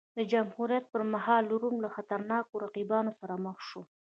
د جمهوریت پرمهال روم له خطرناکو رقیبانو سره مخ شو.